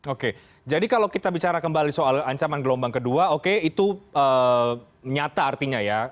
oke jadi kalau kita bicara kembali soal ancaman gelombang kedua oke itu nyata artinya ya